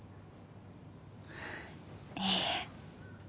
いいえ。